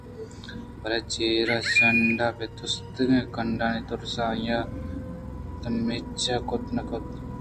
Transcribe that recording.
بلے چرا سانڈ ءِ تُسکیں کانٹانی تُرس ءَ آئی ءَ تیمچہ کُت نہ کُت